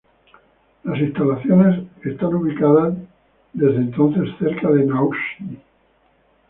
Las instalaciones están ubicadas desde entonces cerca de Naúchni.